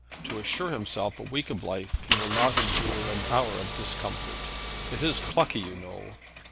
To assure himself a week of life, he will not endure an hour of discomfort. It is plucky, you know."